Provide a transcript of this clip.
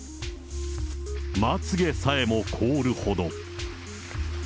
まつ毛さえも凍るほど。